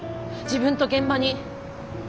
自分と現場に。